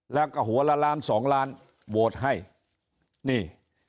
แล้วก็หัวละล้านสองล้านโหวตให้นี่